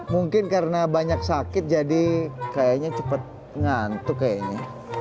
mungkin karena banyak sakit jadi kayaknya cepet ngantuk kayaknya